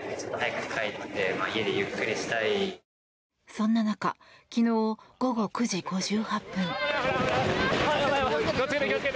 そんな中昨日午後９時５８分。